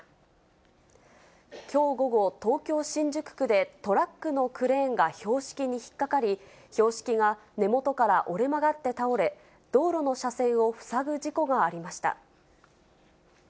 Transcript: きょう午後、東京・新宿区でトラックのクレーンが標識に引っ掛かり、標識が根元から折れ曲がって倒れ、道路の車線を塞ぐ事故がありました。